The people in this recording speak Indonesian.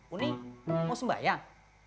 uni mau sembahyang